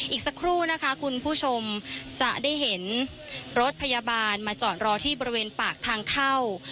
อีกสักครู่นะคะคุณผู้ชมจะได้เห็นรถพยาบาลมาจอดรอที่บริเวณปากทางเข้า